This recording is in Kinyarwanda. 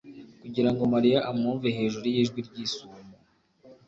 kugira ngo Mariya amwumve hejuru y'ijwi ry'isumo